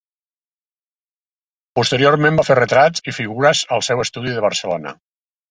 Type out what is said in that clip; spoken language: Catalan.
Posteriorment va fer retrats i figures al seu estudi de Barcelona.